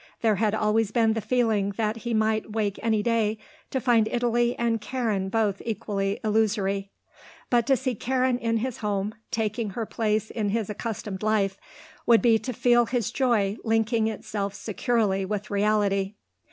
There had always been the feeling that he might wake any day to find Italy and Karen both equally illusory. But to see Karen in his home, taking her place in his accustomed life, would be to feel his joy linking itself securely with reality.